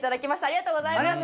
ありがとうございます。